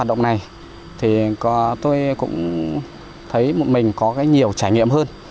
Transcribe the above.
tôi cũng thấy mình có nhiều trải nghiệm hơn